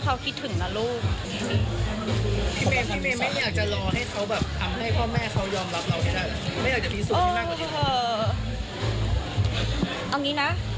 ถ้า๓ปีเมย์ยังว่างอยู่หรือเมย์ออกหักอีกครั้งนึง